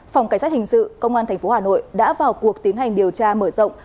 phòng cảnh sát hình sự công an tp hà nội đã vào cuộc tiến hành điều tra mở rộng